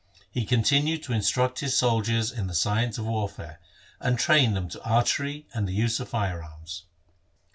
He continued to instruct his soldiers in the science of warfare, and train them to archery and the use of fire arms.